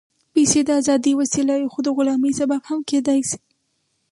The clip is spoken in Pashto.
پېسې د ازادۍ وسیله وي، خو د غلامۍ سبب هم کېدای شي.